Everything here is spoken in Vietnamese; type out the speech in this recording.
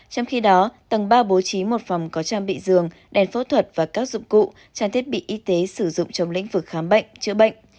trong khi đó tầng ba bố trí một phòng có trang bị giường đèn phẫu thuật và các dụng cụ trang thiết bị y tế sử dụng trong lĩnh vực khám bệnh chữa bệnh